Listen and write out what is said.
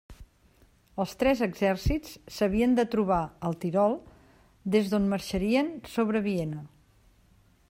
Els tres exèrcits s'havien de trobar al Tirol, des d'on marxarien sobre Viena.